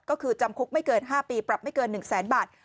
ก็คือจำคุกไม่เกิน๕ปีปรับไม่เกิน๑แสนบาท